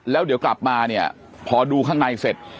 แล้วเดี๋ยวกลับมาเนี่ยพอดูข้างในเสร็จ